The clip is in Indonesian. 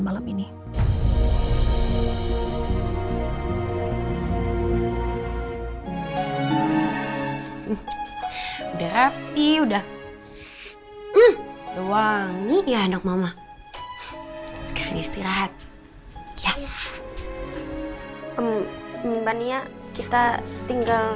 kelasan malam ini udah rapi udah wangi ya enak mama sekarang istirahat ya mbak nia kita tinggal